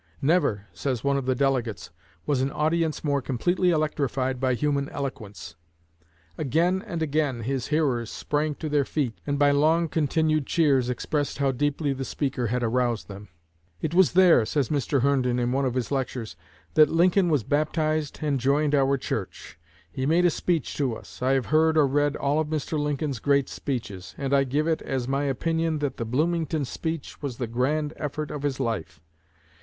"Never," says one of the delegates, "was an audience more completely electrified by human eloquence. Again and again his hearers sprang to their feet, and by long continued cheers expressed how deeply the speaker had aroused them." "It was there," says Mr. Herndon in one of his lectures, "that Lincoln was baptized and joined our church. He made a speech to us. I have heard or read all of Mr. Lincoln's great speeches; and I give it as my opinion that the Bloomington speech was the grand effort of his life.